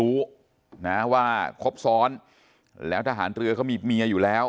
รู้นะว่าครบซ้อนแล้วทหารเรือเขามีเมียอยู่แล้ว